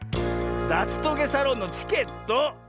だつトゲサロンのチケット！